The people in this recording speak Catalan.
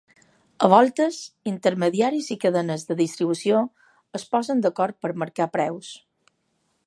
A voltes, intermediaris i cadenes de distribució es posen d’acord per marcar preus.